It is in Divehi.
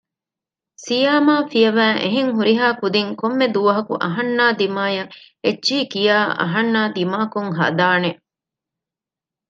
ސިމާޔާ ފިޔަވައި އެހެން ހުރިހާ ކުދިން ކޮންމެ ދުވަހަކު އަހަންނާ ދިމާއަށް އެއްޗެހި ކިޔާ އަހަންނާ ދިމާކޮށް ހަދާނެ